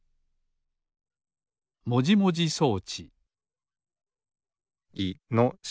もじもじそうちいのし。